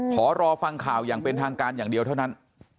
ขอรอฟังข่าวอย่างเป็นทางการอย่างเดียวเท่านั้น